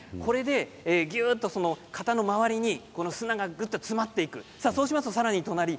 ぎゅっと型の周りに砂がぐっと詰まっていくそうします。